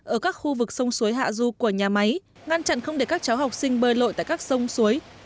ở các khu vực sông suối hạ du của nhà máy ngăn chặn không để các cháu học sinh bơi lội tại các sông suối